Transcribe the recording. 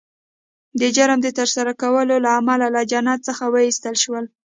د جرم د ترسره کولو له امله له جنت څخه وایستل شول